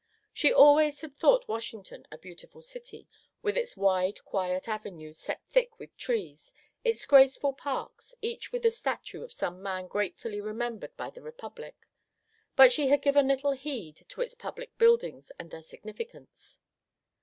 She always had thought Washington a beautiful city, with its wide quiet avenues set thick with trees, its graceful parks, each with a statue of some man gratefully remembered by the Republic, but she had given little heed to its public buildings and their significance.